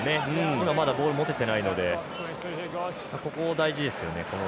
今まだボール持てていないのでここ大事ですよね